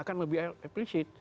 akan lebih efisien